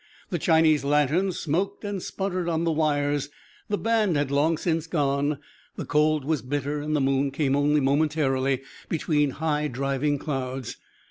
The Chinese lanterns smoked and sputtered on the wires; the band had long since gone. The cold was bitter and the moon came only momentarily between high, driving clouds.